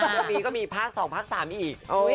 วันนี้ก็มีภาค๒ภาค๓อีก